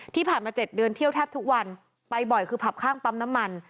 ที่ผ่านมา๗เดือนเที่ยวแทบทุกวันไปบ่อยคือผับข้างปั๊มน้ำมัน